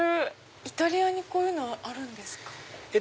イタリアにこういうのあるんですか？